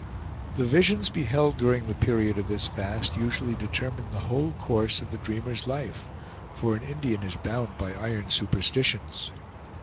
The visions beheld during the period of this fast usually determine the whole course of the dreamer's life, for an Indian is bound by iron superstitions.